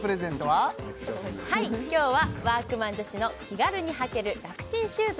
はい今日はワークマン女子の気軽に履ける楽ちんシューズ